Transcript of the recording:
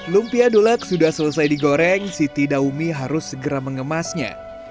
lumpia dulak sudah selesai digoreng siti daumi harus segera mengemasnya